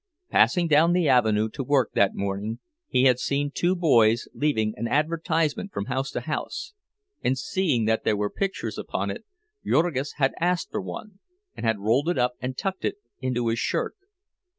Passing down the avenue to work that morning he had seen two boys leaving an advertisement from house to house; and seeing that there were pictures upon it, Jurgis had asked for one, and had rolled it up and tucked it into his shirt.